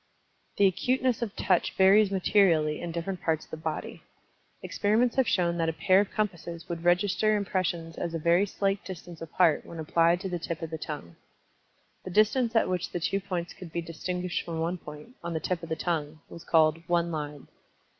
The acuteness of Touch varies materially in different parts of the body. Experiments have shown that a pair of compasses would register impressions as a very slight distance apart when applied to the tip of the tongue. The distance at which the two points could be distinguished from one point, on the tip of the tongue, was called "one line."